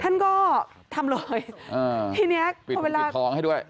ท่านก็ทำเลยอ่าทีเนี้ยพอเวลาของให้ด้วย